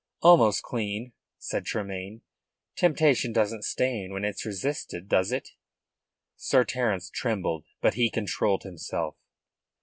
"Almost clean," said Tremayne. "Temptation doesn't stain when it's resisted, does it?" Sir Terence trembled. But he controlled himself.